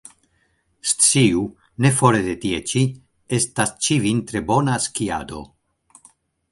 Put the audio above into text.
Sciu, ne fore de tie ĉi, estas ĉi-vintre bona skiado.